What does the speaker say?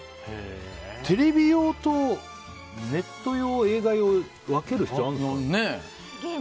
テレビ用とネット用、映画用って分ける必要あるの？